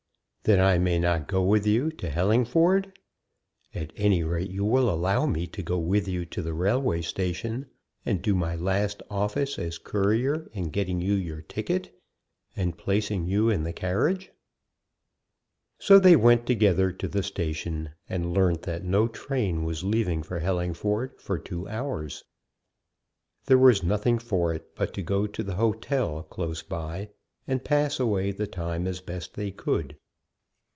"Then I may not go with you to Hellingford? At any rate, you will allow me to go with you to the railway station, and do my last office as courier in getting you your ticket and placing you in the carriage." So they went together to the station, and learnt that no train was leaving for Hellingford for two hours. There was nothing for it but to go to the hotel close by, and pass away the time as best they could.